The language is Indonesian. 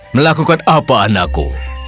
melakukan apa anakku